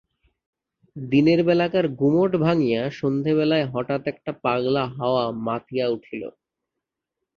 দিনের বেলাকার গুমট ভাঙিয়া সন্ধ্যাবেলায় হঠাৎ একটা পাগলা হাওয়া মাতিয়া উঠিল।